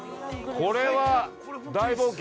これは大冒険！